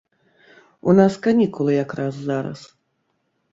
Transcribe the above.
У нас канікулы якраз зараз.